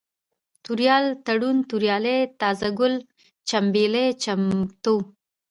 توريال ، تړون ، توريالی ، تازه گل ، چمبېلى ، چمتو